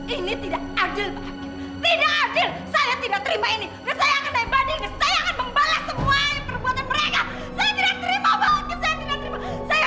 ini tidak adil pak tidak adil saya tidak terima ini